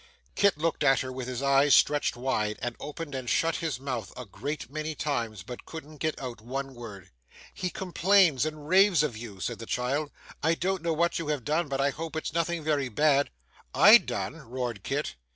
Kit looked at her with his eyes stretched wide; and opened and shut his mouth a great many times; but couldn't get out one word. 'He complains and raves of you,' said the child, 'I don't know what you have done, but I hope it's nothing very bad.' 'I done!' roared Kit.